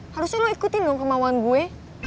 harusnya lo ikutin dong kemauan gue